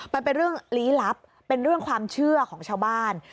มันเป็นเรื่องลี้ลับเป็นเรื่องความเชื่อของชาวบ้าน